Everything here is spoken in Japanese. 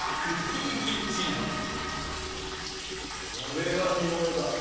これは見ものだ。